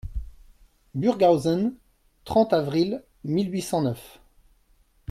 Burghausen, trente avril mille huit cent neuf.